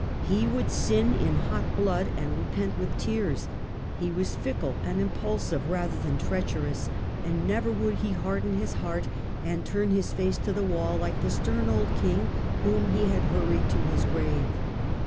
He would sin in hot blood and repent with tears; he was fickle and impulsive rather tlmn treacherous, and never would he harden his heart and turn his face to the wall like the stem old king whom he had hurried to his grave.